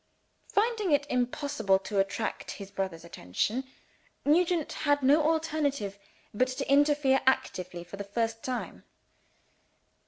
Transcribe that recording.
Finding it impossible to attract his brother's attention, Nugent had no alternative but to interfere actively for the first time.